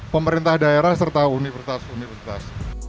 pemerintah daerah serta universitas universitas